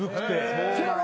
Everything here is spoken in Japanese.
せやろ？